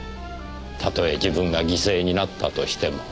たとえ自分が犠牲になったとしても。